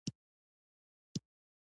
اصول د ټولنې د غړو همکارۍ تضمین کوي.